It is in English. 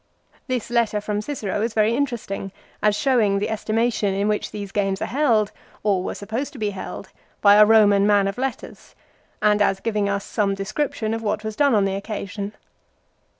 This letter from Cicero is very interesting, as showing the estimation in which these games are held, or were supposed to be held, by a Eoman man of letters, and as giving us some description of what was done on the occasion.